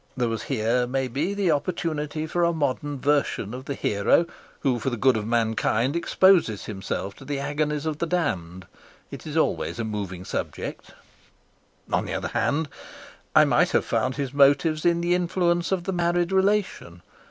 There was here, maybe, the opportunity for a modern version of the hero who for the good of mankind exposes himself to the agonies of the damned. It is always a moving subject. On the other hand, I might have found his motives in the influence of the married relation.